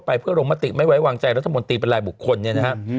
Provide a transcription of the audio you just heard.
ทั่วไปเพื่อโรงมาติไม่ไว้วางใจรัฐมนตรีเป็นรายบุคคลเนี่ยนะครับ